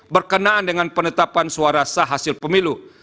berkenaan dengan penetapan suara sah hasil pemilu